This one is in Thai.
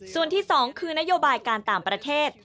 ส่วนที่๒คือนโยบายการต่างประเทศ